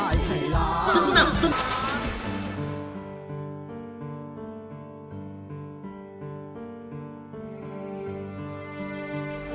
ดูร้องได้ให้ร้าน